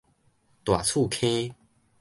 大厝坑